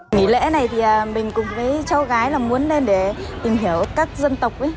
nghỉ lễ này thì mình cùng với cháu gái là muốn lên để tìm hiểu các dân tộc ấy